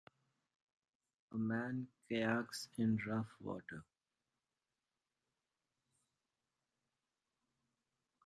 A man kayaks in rough water.